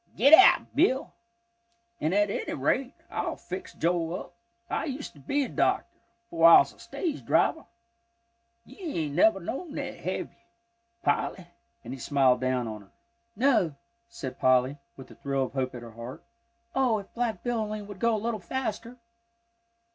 Git ap, Bill! An' at any rate, I'll fix Joel up. I used to be a doctor 'fore I was a stage driver. Ye hain't never known that, hev ye, Polly?" and he smiled down on her. "No," said Polly, with a thrill of hope at her heart. "Oh, if Black Bill only would go a little faster!"